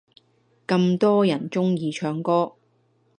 咁多人鍾意聽歌